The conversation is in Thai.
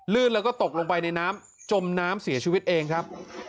แล้วก็ตกลงไปในน้ำจมน้ำเสียชีวิตเองครับ